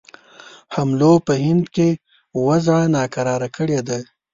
حملو په هند کې وضع ناکراره کړې ده.